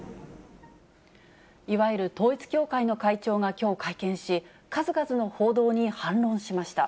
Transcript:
いわゆる統一教会の会長がきょう、会見し、数々の報道に反論しました。